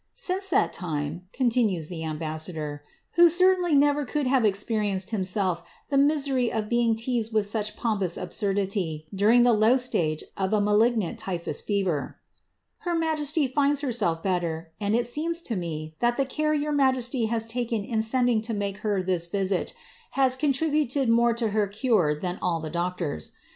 ^ Since that time,^' continues the ambassador, who certainly never could have experienced himself the misery of being teased with such pompous absurdity during the low stage of a malig nant typhus fever, ^ her majesty finds herself better, and it seems to me that the care your majesty has taken in sending to make her this visit, has contributed more to her cure than all the doctors.